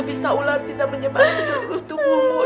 bisa ular tidak menyebabkan seluruh tubuhmu